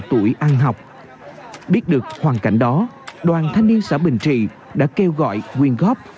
ở độ tuổi ăn học biết được hoàn cảnh đó đoàn thanh niên xã bình trị đã kêu gọi nguyên góp